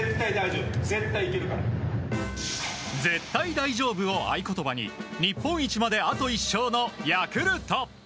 絶対大丈夫を合言葉に日本一まであと１勝のヤクルト。